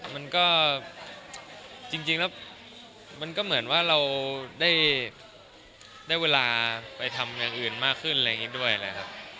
มันก็จริงแล้วมันก็เหมือนว่าเราได้เวลาไปทำอย่างอื่นมากขึ้นอะไรอย่างนี้ด้วยเลยครับ